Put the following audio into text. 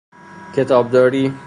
کتابداری